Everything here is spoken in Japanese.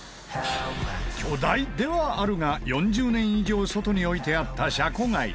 巨大ではあるが４０年以上外に置いてあったシャコガイ。